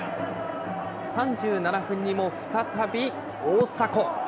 ３７分にも再び大迫。